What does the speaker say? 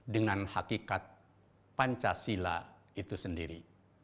dengan hakikat pancasila itu sendiri